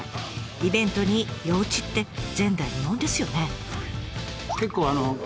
イベントに夜討ちって前代未聞ですよね？